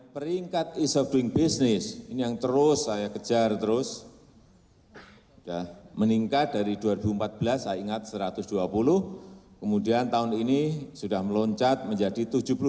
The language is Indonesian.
peringkat ease of doing business ini yang terus saya kejar terus sudah meningkat dari dua ribu empat belas saya ingat satu ratus dua puluh kemudian tahun ini sudah meloncat menjadi tujuh puluh lima